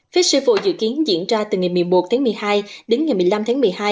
festival dự kiến diễn ra từ ngày một mươi một tháng một mươi hai đến ngày một mươi năm tháng một mươi hai